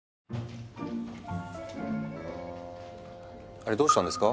あれどうしたんですか？